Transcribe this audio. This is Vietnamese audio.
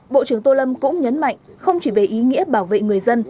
bộ trưởng tô lâm cũng nhấn mạnh không chỉ về ý nghĩa bảo vệ người dân